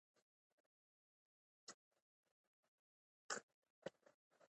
مېلې د خلکو ترمنځ د ګډو ارزښتونو د ټینګښت له پاره زمینه برابروي.